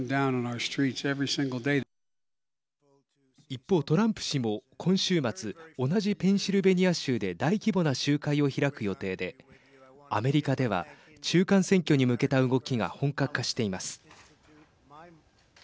一方、トランプ氏も今週末同じペンシルベニア州で大規模な集会を開く予定でアメリカでは中間選挙に向けた動きが本格化しています。